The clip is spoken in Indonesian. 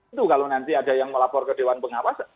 itu kalau nanti ada yang melapor ke dewan pengawas